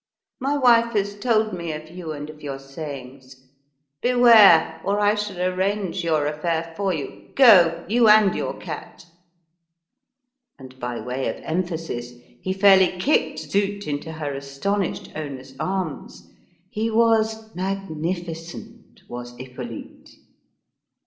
My wife has told me of you and of your sayings. Beware! or I shall arrange your affair for you! Go! you and your cat!" And, by way of emphasis, he fairly kicked Zut into her astonished owner's arms. He was magnificent, was Hippolyte!